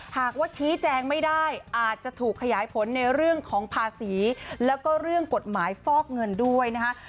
หากว่าชี้แจงไม่ได้อาจจะถูกขยายผลในเรื่องของภาษีแล้วก็เรื่องกฎหมายฟอกเงินด้วยนะคะ